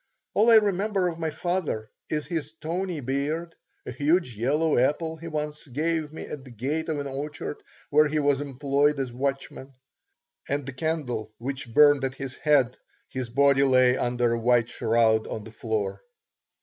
All I remember of my father is his tawny beard, a huge yellow apple he once gave me at the gate of an orchard where he was employed as watchman, and the candle which burned at his head his body lay under a white shroud on the floor.